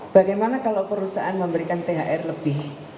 bagaimana kalau perusahaan memberikan thr lebih